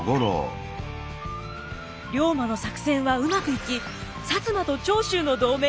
龍馬の作戦はうまくいき摩と長州の同盟が成立。